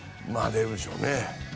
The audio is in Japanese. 出るでしょうね。